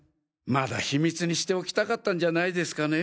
まだ秘密にしておきたかったんじゃないですかね。